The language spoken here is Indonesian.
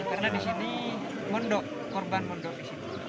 karena di sini kondok korban kondok di sini